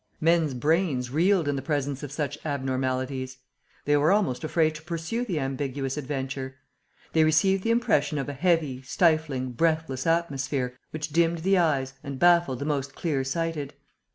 Men's brains reeled in the presence of such abnormalities. They were almost afraid to pursue the ambiguous adventure. They received the impression of a heavy, stifling, breathless atmosphere, which dimmed the eyes and baffled the most clear sighted.